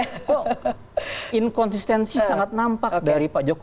kok inkonsistensi sangat nampak dari pak jokowi